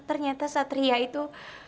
ternyata satria itu